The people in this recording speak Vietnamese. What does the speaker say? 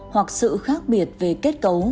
hoặc sự khác biệt về kết cấu